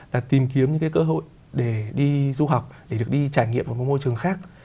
và tìm kiếm những cái cơ hội để đi du học để được đi trải nghiệm một môi trường khác